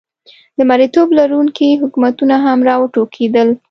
د مریتوب لرونکي حکومتونه هم را وټوکېدل.